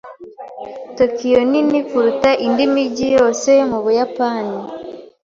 Tokiyo nini kuruta indi mijyi yose yo mu Buyapani.